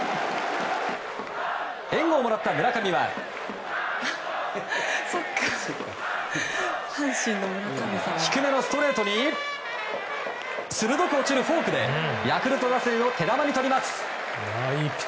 援護をもらった村上は低めのストレートに鋭く落ちるフォークでヤクルト打線を手玉に取ります。